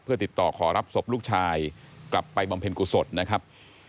เพื่อติดต่อขอรับศพลูกชายกลับไปบำเพ็ญกุศลนะครับ